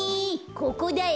ここだよ